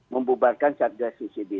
membubarkan sergasus merah putih